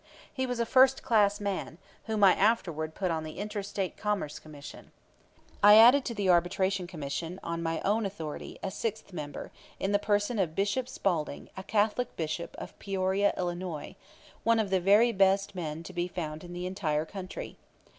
He was a first class man, whom I afterward put on the Inter State Commerce Commission. I added to the Arbitration Commission, on my own authority, a sixth member, in the person of Bishop Spalding, a Catholic bishop, of Peoria, Ill., one of the very best men to be found in the entire country.